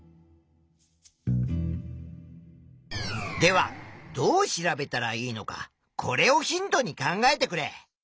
ではどう調べたらいいのかこれをヒントに考えてくれ。